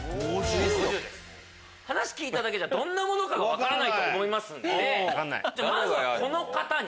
話聞いただけじゃどんなものか分からないと思いますのでまずはこの方に。